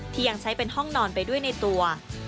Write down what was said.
ยังใช้เป็นห้องนอนไปด้วยในตัว